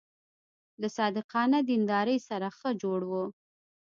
له صادقانه دیندارۍ سره ښه جوړ و.